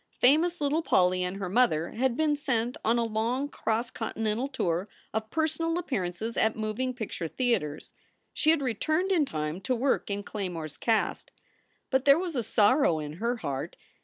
Famous little Polly and her mother had been sent on a long cross continental tour of personal appearances at moving picture theaters. She had returned in time to work in Claymore s cast. But there was a sorrow in her heart.